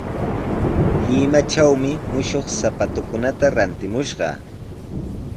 Limatrawmi mushuq sapatukunata rantimushqaa.